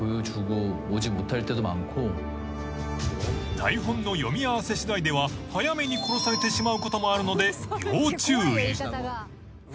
［台本の読み合わせしだいでは早めに殺されてしまうこともあるので要注意］